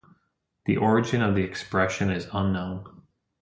The origin of the expression is unknown.